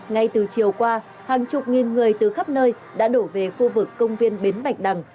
ngay từ chiều qua hàng chục nghìn người từ khắp nơi đã đổ về khu vực công viên bến bạch đằng